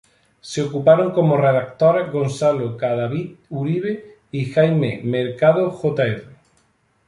Se ocuparon como redactores Gonzalo Cadavid Uribe y Jaime Mercado Jr.